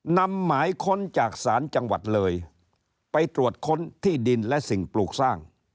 นำหมายค้นจากศาลจังหวัดเลยไปตรวจค้นที่ดินและสิ่งปลูกสร้าง